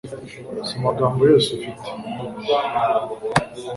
soma amagambo yose ufite